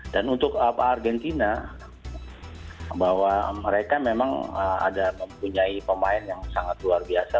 dan untuk argentina bahwa mereka memang mempunyai pemain yang sangat luar biasa